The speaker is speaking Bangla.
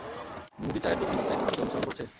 মুদি চায়ের দোকানদার তাইনা - কেউ অনুসরণ করছে?